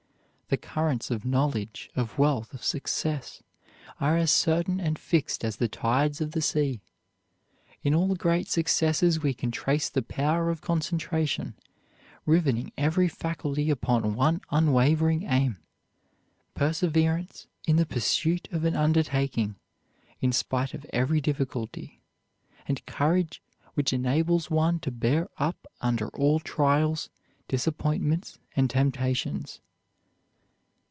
The currents of knowledge, of wealth, of success, are as certain and fixed as the tides of the sea. In all great successes we can trace the power of concentration, riveting every faculty upon one unwavering aim; perseverance in the pursuit of an undertaking in spite of every difficulty; and courage which enables one to bear up under all trials, disappointments, and temptations.